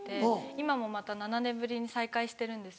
今もまた７年ぶりに再開してるんですけど。